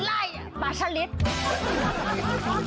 ย่ายดาวข้าวอีย้าง